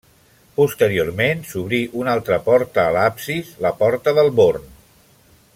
Posteriorment s'obrí una altra porta a l'absis, la porta del Born.